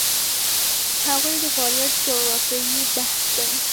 د هغوی د فعالیت د جغرافیې بحث دی.